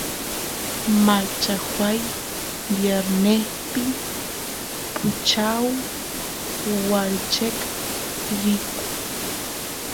machajuay viernespi punchaw wancheq riyku